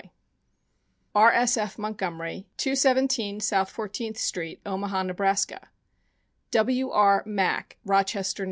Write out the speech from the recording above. R. S. F. Montgomery, 217 South Fourteenth street, Omaha, Neb.; W. R. Mack, Rochester, N.